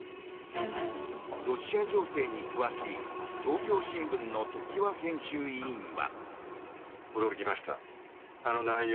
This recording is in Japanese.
ロシア情勢に詳しい東京新聞の常盤編集委員は。